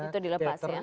itu dilepas ya